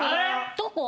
どこ？